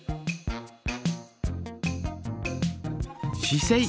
しせい。